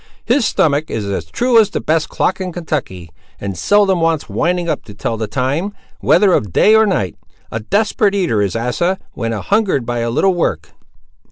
His stomach is as true as the best clock in Kentucky, and seldom wants winding up to tell the time, whether of day or night. A desperate eater is Asa, when a hungered by a little work!"